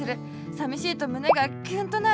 さみしいとむねがキュンとなる。